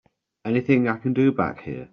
Anything I can do back here?